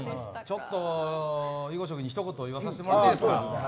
ちょっと囲碁将棋に一言言わさせてもらっていいですか。